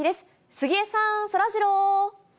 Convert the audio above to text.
杉江さん、そらジロー。